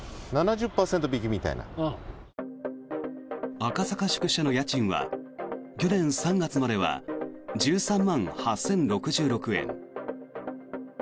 赤坂宿舎の家賃は去年３月までは１３万８０６６円。